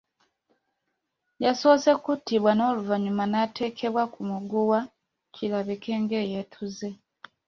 Yasoose kuttibwa n’oluvannyuma n’ateekebwa ku muguwa kirabike ng’eyeetuze.